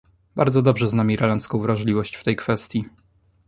Bardzo dobrze znam irlandzką wrażliwość w tej kwestii